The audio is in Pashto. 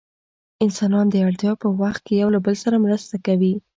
انسانان د اړتیا په وخت کې له یو بل سره مرسته کوي.